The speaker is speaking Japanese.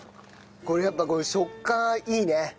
これやっぱこの食感いいね。